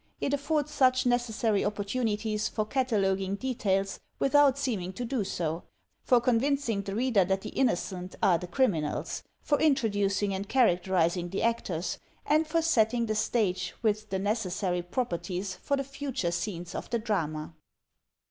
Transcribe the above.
It affords such necessary opportuni ties for cataloging details without seeming to do so; for convincing the reader that the innocent are the criminals; for introducing and characterizing the actors; and for setting the stage with the necessary properties for the future scenes of the drama.